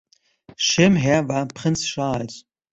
Schirmherr war Prinz Charles.